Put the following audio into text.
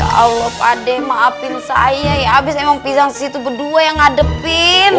ya allah pak de maafin saya ya abis emang pisang disitu berdua yang ngadepin